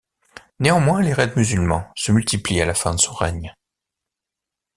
Néanmoins les raids musulmans se multiplient à la fin de son règne.